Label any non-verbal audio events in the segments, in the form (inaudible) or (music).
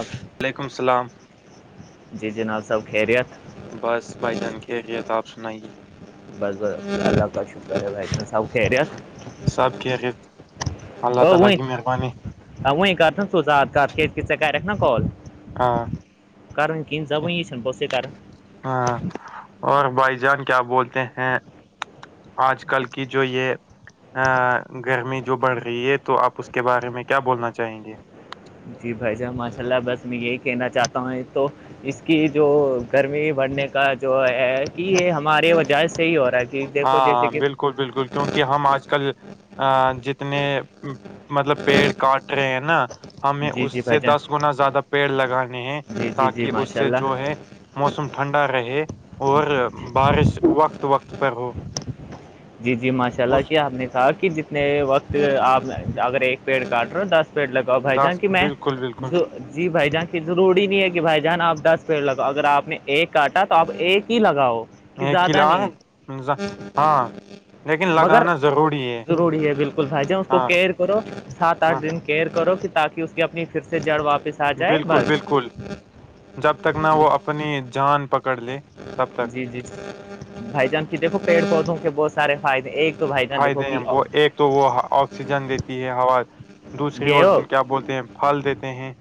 Of وعلیکم السلام جناب سب خیریت بس بائی جانک کتاب سنائیے بس بس کا ش کر ب س کہ رہ سب خیریت اللہ تعالی کی مہربانی ہ وہیں کہ تھا سزات کا ک سے کا رکھ نا کال ہاں کروں ک ٹھیک۔ زبنی چ ن پوس کر ہاں اور بھائی جان کیا بولتے ہیں آج کل کی جو یہ گرمی جو بڑھ رہی ہے تو آپ اس کے بارے میں کیا بولنا چاہیں گے جی بھائی جان ماشاء اللہ بس میں یہی کہنا چاہتا ہوں یہ تو اس کی جو گرمی بڑھنے کا جو ہے کہ یہ ہمارے وجہ سے ہی ہو رہا ہے کہ دیکھو جیسے ہاں کہ بالکل بالکل کیونکہ ہم آج کل ا جتنے مطلب پیڑ کاٹ رہے ہیں نا ہمیں جی اس جی بھائی سے جان دس گنا زیادہ پیڑ لگانے ہیں جی جی تاکہ جی اس ماشاء سے اللہ جو ہے موسم ٹھنڈا رہے اور بارش وقت وقت پر ہو جی جی ماشاء اللہ اس کہ آپ نے کہا کہ جتنے وقت آپ اگر ایک پیڑ کاٹ رہے ہو دس پیڑ لگاؤ بھائی جاں دس کہ میں بالکل بالکل جو جی بھائی جان کہ ضروری نہیں ہے کہ بھائی جان آپ دس پیڑ لگاؤ اگر آپ نے ایک کاٹا تو آپ ایک ہی لگاؤ کہ زیادہ قلع نہیں ہے ہاں لیکن مگر لگانا ضروری ہے ضروری ہے بالکل بھائی جہ اس کو ہاں کی کرو سات آٹھ ہاں دن کیئر کرو کہ تاکہ اس کی اپنی پھر سے جڑ واپس آ جائے بالکل بس بالکل جب تک نہ وہ اپنی جان پکڑ لے تب تک ج جی بھائی جان کہ دیکھو پیڑ پودوں کے بہت سارے فایدے ایک تو بھائی جان دیکھو فائدے ہیں کہ وہ ایک تو وہ آکسیجن دیتی ہے ہوا دوسری گئے وہ ہو کیا بولتے ہیں پھل دیتے ہیں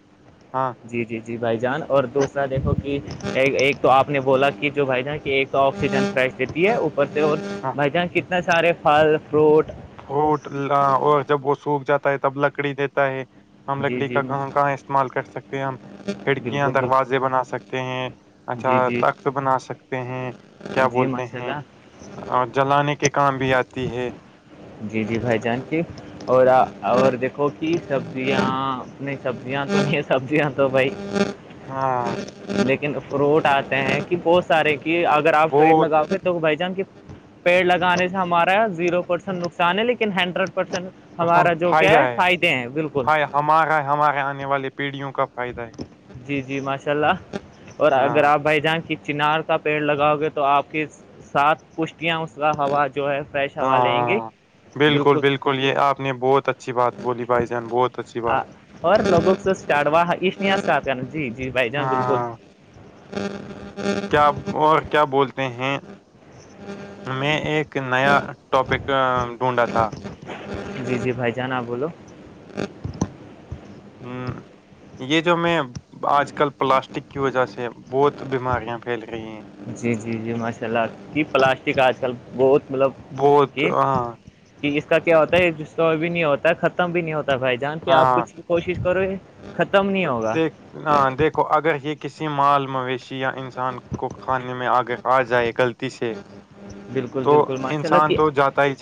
ہاں جی جی جی بھائی جان اور دوسرا دیکھو کہ ایک تو آپ نے بولا کہ جو بھائی جان کہ ایک تو آکسیجن فریش دیتی ہے اوپر سے اور ہاں بھائی جان کتنے سارے پھل فروٹ پوٹ اور جب وہ سوکھ جاتا ہے تب لکڑی دیتا ہے ہم جی لکڑی جی کا کہاں کہاں استعمال کر سکتے ہیں ہم کھڑکیاں بالکل بالکل دروازے بنا سکتے ہیں اچھا جی جی تخت بنا سکتے ہیں کیا جی بولتے ماشاء ہیں اللہ جلانے کے کام بھی آتی ہے جی جی بھائی جان کہ اور اور دیکھ دیکھو کہ سبزیاں اپنی سبزیاں تو سبزیاں تو بھائی ہاں لیکن فروٹ آتے ہیں کہ بہت سارے کہ اگر آپ پیڑ بہت لگا کے تو بھائی جان پیڑ لگانے سے ہمارا زیرو پرسینٹ نقصان ہے لیکن ہنڈریڈ پرسینٹ ہمارا جو کیا ہے فائدے ہیں بالکل فا- ہمارا ہمارے آنے والے پیڑھیوں کا فائدہ ہے جی جی ماشاء اللہ اور ہاں اگر آپ بھائی جان چنار کا پیڑ لگاؤ گے تو آپ کے سات پشتیاں اس کا ہوا جو ہے فریش ہوا لیں گے بالکل کو لیے آپ نے بہت اچھی بات بولی بھائی جان بول اور لوگوں سے جی جی بھائی جان بالکل ہاں (inaudible) کیا اور کیا بولتے ہیں میں ایک نیا ٹاپک ڈھونڈا تھا جی جی بھائی جان اپ بولو ہمم یہ جو میں آج آج کل پلاسٹک کی وجہ سے بہت بیماریاں پھیل رہی ہیں جی جی جی ماشاء اللہ کہ پلاسٹک آج کل بہت مطلب بہت کہ ہاں کہ اس کا کیا ہوتا ہے ڈسٹرائ بھی نہیں ہوتا ہے ختم بھی نہیں ہوتا بھائی جان کے آپ کچھ کوشش کرو یہ ختم نہیں ہوگا دیکھ دیکھو اگر یہ کسی مال مویشی یا انسان کو کھانے آگے آ جائے غلطی سے بالکل تو بالکل ماشاء اللہ انسان کہ تو جاتا ہی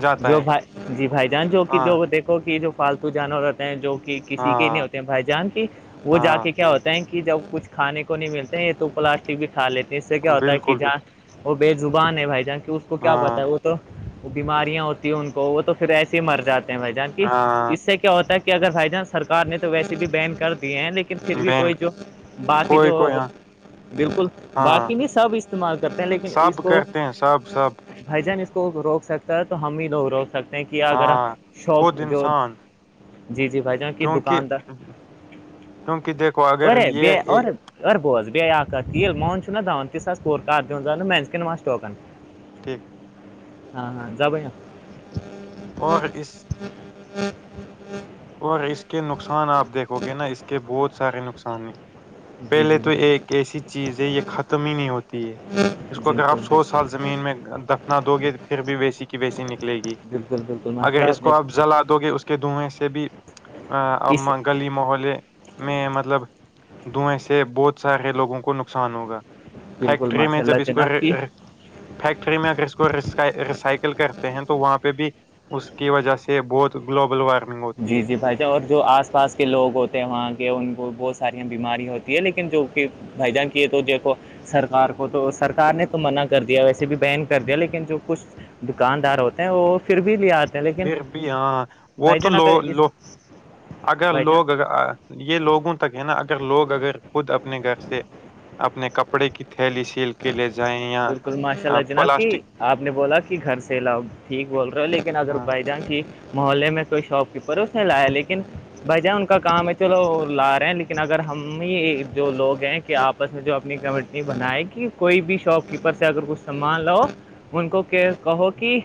جاتا جو ہے بھائی جی بھائی جان جو کہ ہاں جو دیکھو کہ جو پالتو جانور ہوتے ہیں جو کہ کسی کے نہیں ہاں ہوتے ہیں بھائی جان کہ وہ جا ہاں کے کیا ہوتا ہے کہ جب کچھ کھانے کو نہیں ملتے ہیں یہ تو پلاسٹک بھی کھا لیتے ہیں اس سے کیا ہوتا ہے کہ بالکل بھی جہاں وہ بے زبان ہے بھائی جہاں اس کو کیا ہاں پتا ہے وہ تو بیماریاں ہوتی ہیں ان کو وہ تو پھر ایسے ہی مر جاتے ہیں بھائی جان کہ ہاں اس سے کیا ہوتا ہے کہ اگر ہھائی جان سرکار نے تو ویسے بھی بین کر دیے ہیں لیکن پھر بھی بہن کوئی جو باقی کوئی جو کوئی ہاں بالکل ہاں باقی نہیں سب استعمال کرتے ہیں لیکن اس سب کو کرتے ہیں سب سب بھائی جان اس کو روک سکتا ہے تو ہم ہی لوگ روک سکتے ہیں کہ اگر ہاں شوق خود جو انسان جی جی بھائی جان کی کیونکہ دکاندار کیونکہ دیکھو اگر یہ ارے یہ- اور (inaudible) ٹھیک ہاں ہاں اور اس اور اس کے نقصان آپ دیکھو گے نا اس کے بہت سارے نقصان ہیں جی پہلے جی تو بھائی ایک جان ایسی چیز ہے یہ ختم ہی نہیں ہوتی ہے اس کو اگر آپ بالکل سو بھائی سال زمین میں دفنا دو گے تو پھر بھی ویسی کی ویسی نکلے گی بالکل بالکل ماشاء اللہ اگر اس نے کو آپ جلا دو گے اس کے دھویں سے بھی ا اب اس گلی محولے میں مطلب دئیں سے بہت سارے لوگوں کو نقصان ہوگا بالکل فیکٹری میں ماشاء اللہ جب اس کو جناب کی فیکٹری میں اگر اس کو ریسائکل کرتے ہیں تو وہاں پہ بھی اس کی وجہ سے بہت گلوبل وارمنگ ہو جی جی بھائی جان اور جو آس پاس کے لوگ ہوتے ہیں وہاں کے ان کو بہت سارں بیماری ہوتی ہے لیکن جو کہ بھ جان کی ہے تو دیکھو سرکار کو تو سرکار نے تو منع کر دیا ویسے بھی بن کر دیا لیکن جو کچھ دکاندار ہوتے ہیں وہ پھر بھی لے آتے ہیں لیکن پھر بھی ہاں وہ بھائی تو جان اگر لوگ اس لو اگر بھائی جان لوگ یہ لوگوں تک ہے نا اگر لوگ اگر خود اپنے گھر سے اپنے کپڑے کی تھیلی سیل کے لے جائیں یا بالکل ماشاء اللہ جناب کہ پلاسٹک آپ نے بولا کہ گھر سے لاؤگ ٹھیک بول رہے ہو لیکن اگر ہاں بھائی جان کی محلے میں کوئی شاپ کیپر ہے اس نے لایا لیکن بھائی جان ان کا کام ہے چلو لا رہے ہیں لیکن اگر ہم ہی جو لوگ ہیں کہ آپ س میں جو اپنی کمینی بنائے کہ کوئی بھی شاپ کیپر سے اگر کچھ سامان لاؤ ان کو کہو کہ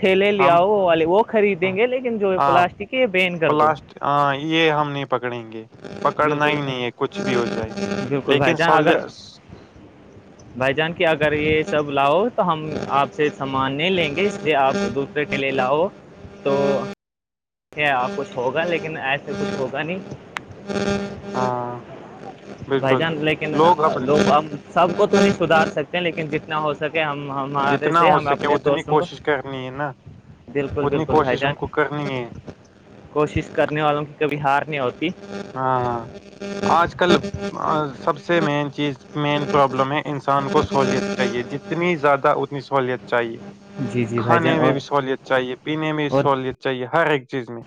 تھیلے ہم لیاؤ والے وہ خریدیں گے لیکن جو پلاسٹک کی یہ بین کر دو اسٹ ہاں یہ ہم نہیں پکڑیں گے پکڑنا بالکل ہی نہیں ہے بھائی، کچھ بھی ہو جائے بالکل لیکن بھائی س جان اگر بھائی جان کی اگر یہ سب لاؤ تو ہم آپ سے سامان نہیں لیں گے اس لیے آپ کے لی ل ہو تو کچھ ہوگا لیکن ایسے کچھ ہوگا نہیں ہاں بھائی بالکل جان لیکن لوگ اپ سب کو تو نہیں سدھار سکتے لیکن جتنا ہو سکے ہم ہمارے جتنا سے ہو ہم سکے اپنے اتنی دوستوں کو کوشش کرنی ہے نا بالکل بالکل بھائی جان جے کوشش کرنے والوں کی کبھی ہار نہیں ہوتی ہاں آج کل سب سے مین چیز مین پرابلم ہے انسان کو سہولیت چاہیے جت اتنی زیادہ اتنی سہولت چاہیے جی جی بھائی جان کھانے میں اور بھی سہولت چاہیے پینے میں بھی اور سہولت چاہیے ہر ایک چیز میں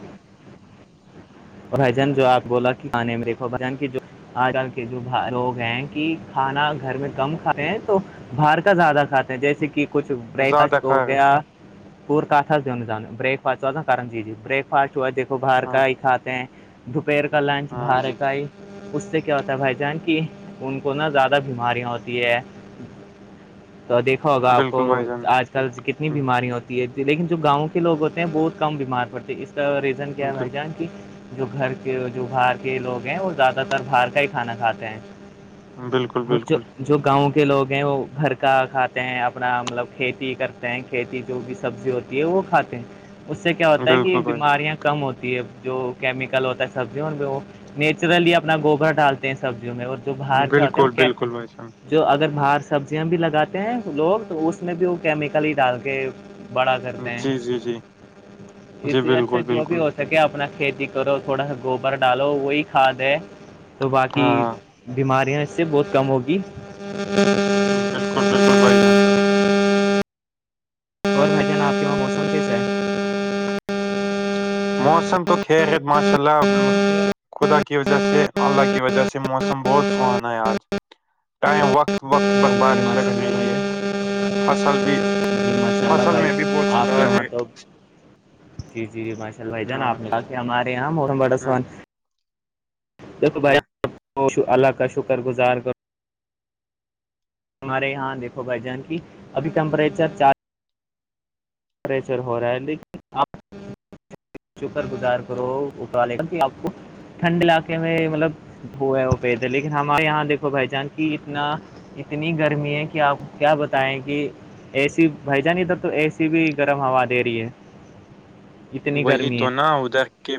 بھجان جو آپ بولا کہ آان میں ریکو بھجن کی جو آج کل کے جو لوگ ہیں کہ کھانا گھر میں کم کھے ہیں تو باہر کا زیادہ کھاتے ہیں جیسے کہ کچھ بریک زیادہ فاسٹ کھا ہو رہے گیا پور دان بیک فاسٹی جی بیک فاسٹ دیکھو باہر ہاں کا ہیھ دپیر کلنچ ہاں جی بارکائی اس سے کیا ہوتا ہے بھائی جان کی ان کو نا زیادہ بیماریاں ہوتی ہے (inaudible) تو دیکھا ہوگا آپ کو بالکل بھائی جان آج کتنی بیمارییا ہوتی ہے لیکن جو گاؤں کے لوگ ہوتے ہیں بہت کم بیمار پڑتے ہیں اس طرح کیا بھائی جان کی جو گھر کے جو باہر کے لوگ ہیں وہ زیادہ تر باہر کا ہی کھانا کھاتے ہیں بالکل اور جو بالکل جو گاؤں کے لوگ ہیں وہ گھر کا کھاتے ہیں اپنا مطلب کھیتی کرتے ہیں کہتی جو بھی سبزی ہوتی ہے وہ کھاتے ہیں اس سے کیا ہوتا ہے کہ بالکل بھائی بیماریاں کم ہوتی ہے جو کیمیکل ہوتا ہے سبزیوں میں وہ نیچرلی اپنا گوبر ڈالتے ہیں سبزیوں میں وہ تو باہر کیا ہوتے ہیں بالکل وہ کیا بالکل بھائی جان جو اگر باہر سبزیاں بھی لگاتے ہیں لوگ تو اس میں بھی وہ کیمیکل ہی ڈال کے بڑا کرتے ہیں جی جی جی جی اسی اچھا بالکل جو بھی بالکل ہو س کیا اپنا کھیتی کرو تھوڑا سا گوبر ڈالو وہی کاد ہے تو باقی ہاں بیماریاں اس سے بہت کم ہوگی بالکل بالکل بھائی جان اور م ج ن آپی کا موسم کیسا ہے موسم تو خیرت ماشاء اللہ خدا کی وجہ سے اللہ کی وجہ سے موسم بہت سہان ہے آج ٹائم وقت وقت پر جی بارش ماشاء لگ اللہ رہی بھائی ہے جان فصل بھی جی ماشاء اللہ فصل میں بھی بہت بھائی آپ کے سدھار وہاں ہے تو جی جی ماشا ال بھائی جان ہاں آپ نے کہا کہ ہمارے یہاں مم بڑا ہاں سان دیکھو ہاں بھائیپ اللہ کا شکر گزار کرو ہمارے یہاں دیکھو بھائی جان کی ابھی ٹیمپریچر چار پریشر ہو رہا ہے لیکن آپ شکر گزار کرو اٹالے گا آپ کو ٹھنڈ علاقے میں مطلب ہووئے وہ پہ تھے لیکن ہمارے یہاں دیک بھائی جان کی اتنا اتنی گرمی ہے کہ آپ کیا بتائیں کہ اے سی بھائی جان اد تو اے سی کسی بھی گرم ہوا دے رہی ہے اتنی وہی گرمی تو ہے نہ ادھر کے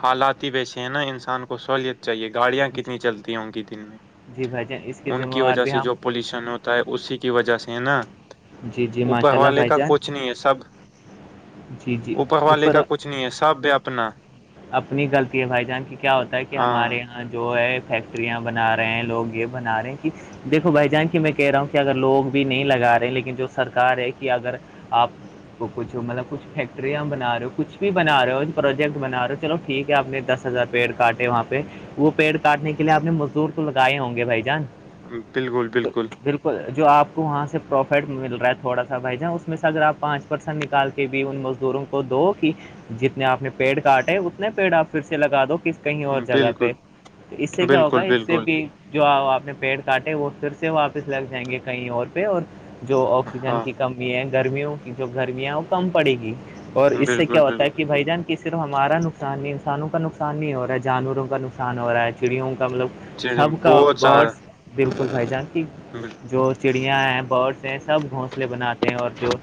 حالاتی ویسے ہیں نہ انسان کو سہوولت چاہیے گاڑیاں کتنی چلتی ہیں ان کی دن میں جی بھائی جان اس کے ان ذمہ کی وار وجہ بھی سے ہم جو پولوشن ہوتا ہے اسی کی وجہ سے ہے نا جی جی اوپر ماشاء وال اللہ والے بھائی کا جان کچھ نہیں ہے سب جی جی اوپر والے کا کچھ نہیں ہے سب بھی اپنا اپنی غلطی ہے بھائی جان کی کیا ہوتا ہے کہ ہمارے ہاں یہاں جو ہے فیکٹریاں بنا رہے ہیں لوگ یہ بنا رہے ہیں کہ دیکھو بھائی جان کی میں کہہ رہا ہوں کہ اگر لوگ بھی نہیں لگا رہے ہیں لیکن جو سرکار ہے کہ اگر آپ کو کچھ مطلب کچھ فیکٹریاں بنا رہے ہو کچھ بھی بنا رہے ہو پروجیکٹ بنا رہے ہو چلو ٹھیک ہے آپ نے دس ہزار پیڑ کاٹے وہاں پہ وہ پیڑ کاٹنے کے لیے آپ نے مزدور کو لگائے ہوں گے بھائی جان بالکل، تو بالکل، بالکل جو آپ کو وہاں سے پروفٹ مل رہا ہے تھوڑا سا بھائی جان اس میں سے اگر آپ پانچ پرسینٹ نکالتے بھی ان مزدوروں کو دو کہ جتنے آپ نے پیڑ کاٹے اتنے پیڑپ پھر سے لگا دو کس کہیں اور جگہ پہ بالکل، تو اس سے کیا ہوگا بالکل، اس سے بالکل، بھی جو آپ نے پیڑ کاٹے وہ پھر سے واپس لگ جائیں گے کہیں اور پہ اور جو آکسیجن ہاں، کی کمی ہے گرمیوں کی جو گرمیاں وہ کم پڑے گی اور اس سے کیا بالکل، ہوتا ہے بالکل، کہ بھائی جان کس صرف ہمارا نقصان نہیں انسانوں کا نقصان نہیں ہو رہا ہے جانوروں کا نقصان ہو رہا ہے چڑیوں کا مطلب چیزیں سب کا بہت بڈ بالکل بھائی جان کی جی جو چڑیا ہیں باڈس ہیں سب گھونسلے بناتے ہیں اور جو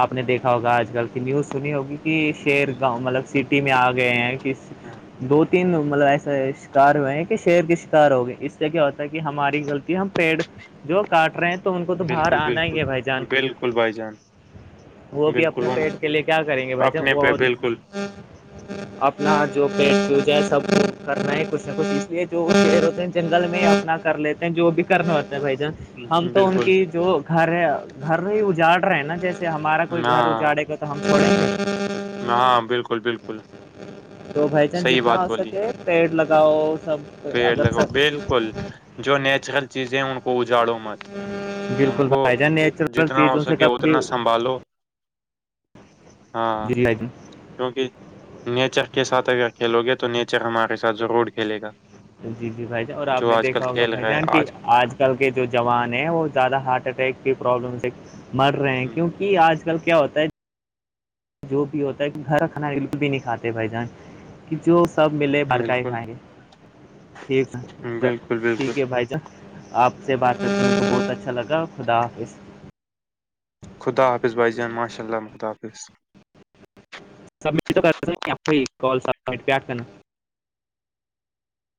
آپ نے دیکھا ہوگا آج کل کی نیوز سنی ہوگی کہ شہر گاؤں مطلب سٹی میں آ گئے ہیں ہاں، دو تین مطلب ایسے شکار ہوئے ہیں کہ شیر کے شکار ہو گئے اس سے کیا ہوتا ہے کہ ہماری غلطی ہم پیڑ جو کاٹ رہے ہیں تو ان کو تو باہر بالکل، آنا ہی بالکل، ہے بھائی جان بالکل بھائی جان، وہ بھی اپنے بالکل ان پیٹ کے لیے کیا کریں گے بھائی ج اپنے وہ پہ بالکل، اپنا جو پس ہو جائے سب کرنا ہے کچھ نہ کچھ اس لیے جو شر ہوتے ہیں جنگل میں اپنا کر لیتے ہیں جو بھی کرنا ہوتا ہے بھائی جان ہم تو ان بالکل، کی جو گھر ہے گھر ہی اجاڑ رہے ہیں نا جیسے ہمارا کوئی گھر ہاں، اجاڑے گا تو ہمپڑے ہاں بالکل بالکل تو بھائی چانس صحیح جتنا بات ہو بولی، سکے پیڑ لگاؤ سب پیڑ اگر سب لگوؤ بالکل جو نیچرل چیزیں ان کو کو اجاڑو مت ان بالکل کو بھائی جان نیچرل جتنا ہو چیزوں سے سکے کبھی اتنا سنبھالو ہاں جی بھائی جان کیونکہ نیچک کے ساتھ اگر کھیلو گے تو نیچک ہمارے ساتھ ضرور کھیلے گا جی جی بھائی جان اور آپ جو نے آج کل دیکھا ہوگا کھیل بھائی رہا ہے جان کی آج کے جوان ہیں وہ زیادہ ہارٹ اٹیک کی پرابلم سے مر رہے ہیں کیونکہ آج کل کیا ہوتا ہے جو بھی ہوتا ہے کہ گھر کا کھانا بالکل بھی نہیں کھاتے بھائی جان کہ جو سب ملے برک ہی بالکل کھائیں گ ٹھیک ہے بالکل بالکل ٹھیک ہے بھائی آپ سے بات بہت اچھا لگا خداافظ خدا حافظ بس ج ماشاء اللہ خدا حافظ سبٹ تو کر آپ کال سٹ کرنا